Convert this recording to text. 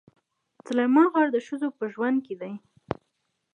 سلیمان غر د ښځو په ژوند کې دي.